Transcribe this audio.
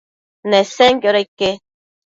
Nesenquioda ique?